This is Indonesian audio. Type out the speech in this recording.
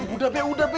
udah be udah be